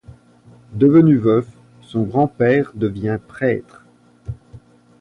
Devenu veuf, son grand-père devient prêtre.